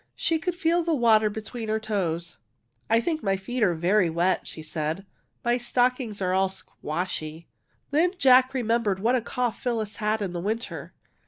She could feel the water between her toes. ^' I think my feet are very wet/' she said. ^* My stockings are all ' squashy.' " Then Jack remembered what a cough Phyl lis had in the winter.